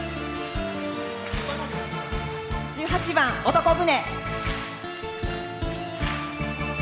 １８番「男船」。